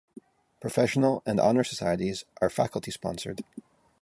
Professional and Honor societies are faculty sponsored.